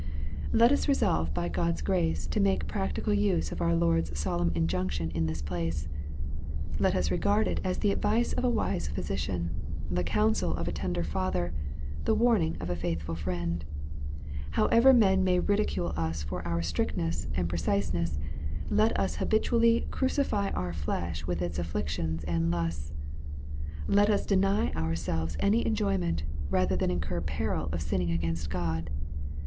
Let us resolve by God's grace to make a practical use of our Lord's solemn injunction in this place. Let us regard it as the advice of a wise physician, the counsel of a tender father, the warning of a faithful friend. How ever men may ridicule us for our strictness and precise ness, let us habitually " crucify our flesh with its affections and lusts." Let us deny ourselves any enjoyment, rather than incur peril of sinning against God.